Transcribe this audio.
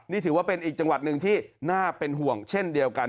นี่ถือว่าเป็นอีกจังหวัดหนึ่งที่น่าเป็นห่วงเช่นเดียวกัน